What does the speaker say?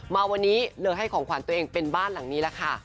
มาวันนี้เลยให้ของขวัญตัวเองเป็นบ้านหลังนี้แล้วค่ะ